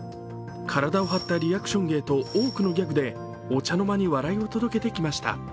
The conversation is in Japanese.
体を張ったリアクション芸と多くのギャグでお茶の間に笑いを届けてきました。